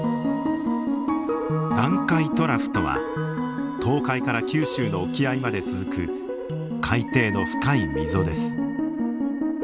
南海トラフとは東海から九州の沖合まで続く海底の深い溝です。